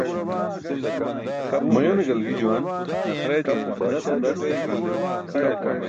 Mayone galgi juwan.